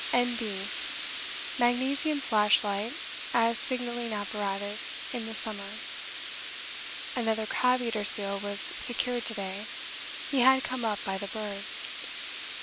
N.B. Magnesium flashlight as signalling apparatus in the summer. Another crab eater seal was secured to day; he had come up by the bergs.